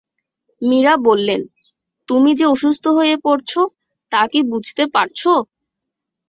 মীরা বললেন, তুমি যে অসুস্থ হয়ে পড়ছি, তা কি তুমি বুঝতে পারছি?